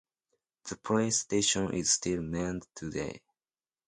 The police station is still manned today.